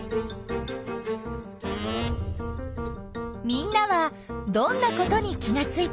みんなはどんなことに気がついた？